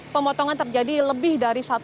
pemotongan terjadi lebih dari sekitar sepuluh menit